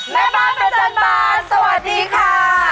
แม่บ้านประจำบานสวัสดีค่ะ